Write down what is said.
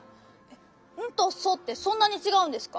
「ン」と「ソ」ってそんなにちがうんですか？